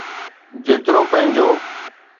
جيترو پنهنجو.